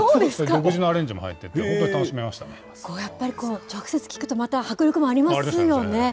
独自のアレンジも入ってて、やっぱり、直接聴くと、迫力もありますよね。